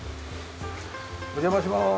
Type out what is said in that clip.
お邪魔します。